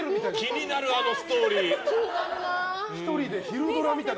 気になる、あのストーリー。